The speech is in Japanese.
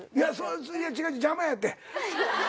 いや邪魔やって。